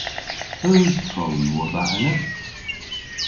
Eus tron war dha enep?